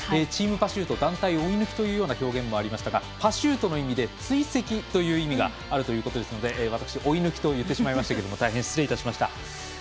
チームパシュート団体追い抜きというような表現もありましたがパシュートの意味で追跡という意味があるということですので私、追い抜きと言ってしまいましたが大変失礼いたしました。